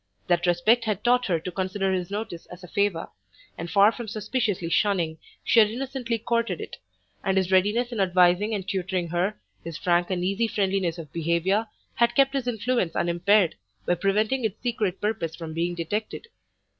That respect had taught her to consider his notice as a favour, and far from suspiciously shunning, she had innocently courted it: and his readiness in advising and tutoring her, his frank and easy friendliness of behaviour, had kept his influence unimpaired, by preventing its secret purpose from being detected.